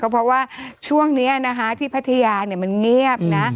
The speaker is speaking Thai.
เพราะว่าช่วงนี้นะคะที่พัทยามันเงียบนะ